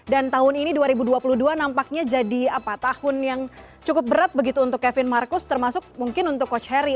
dan tahun ini dua ribu dua puluh dua nampaknya jadi tahun yang cukup berat begitu untuk kevin marcus termasuk mungkin untuk coach harry